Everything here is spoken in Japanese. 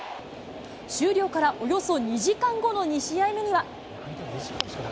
終了からおよそ２時間後の２試合目には。